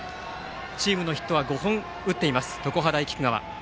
チームのヒットは５本打っている常葉大菊川。